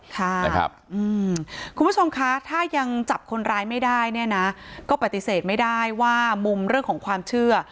คุณผู้ชมคะถ้ายังจับคนร้ายไม่ได้เนี่ยนะก็ปฏิเสธไม่ได้ว่ามุมเรื่องของความเชื่อ